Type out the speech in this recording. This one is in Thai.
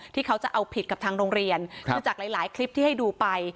ที่เขาจะเอาผิดกับทางโรงเรียนคือจากหลายหลายคลิปที่ให้ดูไป